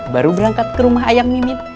baru berangkat ke rumah ayam mimin